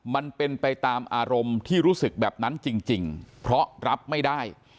มันเป็นไปตามอารมณ์ที่รู้สึกแบบนั้นจริงเพราะรับไม่ได้